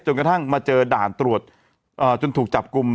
กระทั่งมาเจอด่านตรวจจนถูกจับกลุ่ม